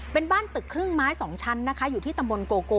เป็นบ้านตึกครึ่งไม้๒ชั้นนะคะอยู่ที่ตำบลโกโก